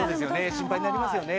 心配になりますよね